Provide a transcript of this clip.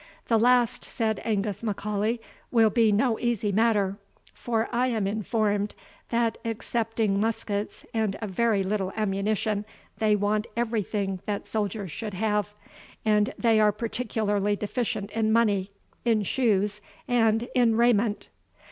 "The last," said Angus M'Aulay, "will be no easy matter; for I am informed, that, excepting muskets and a very little ammunition, they want everything that soldiers should have; and they are particularly deficient in money, in shoes, and in raiment."